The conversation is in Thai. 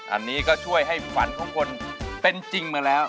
อันนี้ก็ช่วยให้ฝันของคนเป็นจริงมาแล้ว